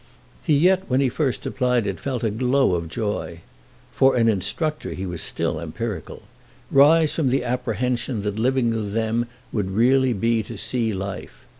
He yet when he first applied it felt a glow of joy—for an instructor he was still empirical—rise from the apprehension that living with them would really be to see life.